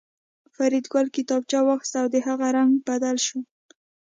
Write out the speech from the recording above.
فریدګل کتابچه واخیسته او د هغه رنګ بدل شو